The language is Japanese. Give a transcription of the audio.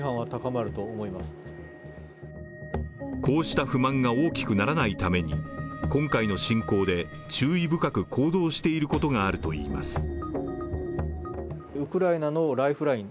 こうした不満が大きくならないために今回の侵攻で注意深く行動していることがあるといいます。